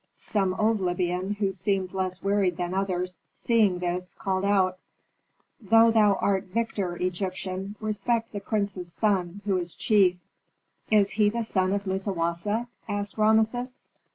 Some old Libyan who seemed less wearied than others, seeing this, called out, "Though thou art victor, Egyptian, respect the prince's son, who is chief." "Is he the son of Musawasa?" asked Rameses.